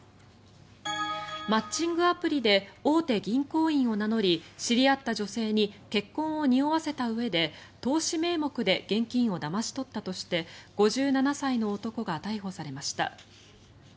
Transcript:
マッチングアプリで大手銀行員を名乗り知り合った女性に結婚をにおわせたうえで投資名目で現金をだまし取ったとして５７歳の男が逮捕されました。